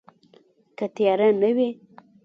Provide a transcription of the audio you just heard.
که تیاره نه وي